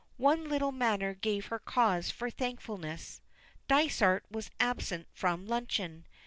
One little matter gave her cause for thankfulness. Dysart was absent from luncheon.